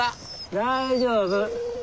大丈夫。